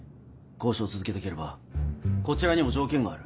交渉を続けたければこちらにも条件がある。